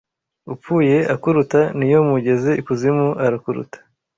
Upfuye akuruta niyo mugeze ikuzimu arakuruta